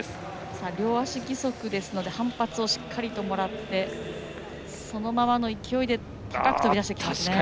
両足義足ですので反発をしっかりもらってそのままの勢いで高く跳び出してきましたね。